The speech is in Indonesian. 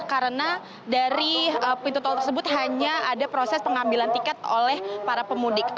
karena dari pintu tol tersebut hanya ada proses pengambilan tiket oleh para pemudik